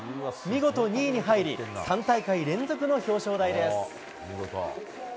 見事、２位に入り、３大会連続の表彰台です。